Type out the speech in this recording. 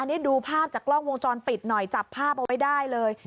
นี่ดูภาพจากกล้องวงจรปิดหน่อยจับภาพเอาไว้ได้เลย